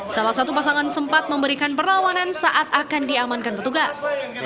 salah satu pasangan sempat memberikan perlawanan saat akan diamankan petugas